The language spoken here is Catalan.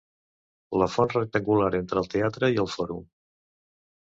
La font rectangular entre el teatre i el fòrum.